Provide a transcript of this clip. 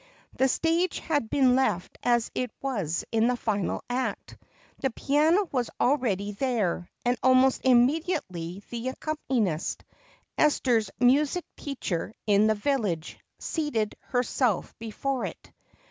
The stage had been left as it was in the final act, the piano was already there, and almost immediately the accompanist, Esther's music teacher in the village, seated herself before it.